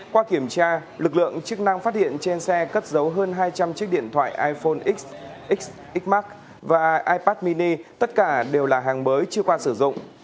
qua kiểm tra lực lượng chức năng phát hiện trên xe cất giấu hơn hai trăm linh chiếc điện thoại iphone x x mac và ipad mini tất cả đều là hàng mới chưa qua sử dụng